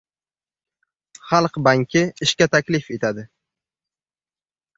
Xalq banki ishga taklif etadi!